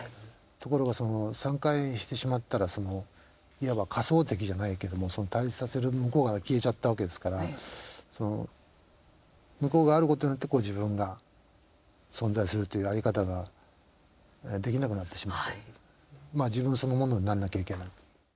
ところがその散開してしまったらいわば仮想敵じゃないけども対立させる向こうが消えちゃったわけですから向こうがあることによって自分が存在するっていう在り方ができなくなってしまってまあ自分そのものになんなきゃいけない。